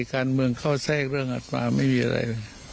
การเมืองเข้าแทรกเรื่องอัตมาไม่มีอะไร